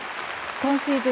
今シーズン